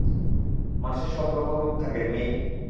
মানুষের সব রকম রূপ থাকে, মেই।